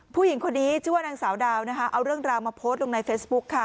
ผู้หญิงคนนี้ชื่อว่านางสาวดาวนะคะเอาเรื่องราวมาโพสต์ลงในเฟซบุ๊คค่ะ